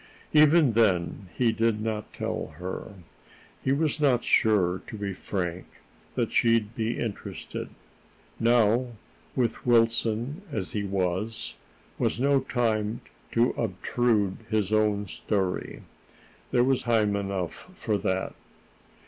Even then he did not tell her. He was not sure, to be frank, that she'd be interested. Now, with Wilson as he was, was no time to obtrude his own story. There was time enough for that.